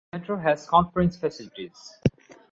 The centre has conference facilities.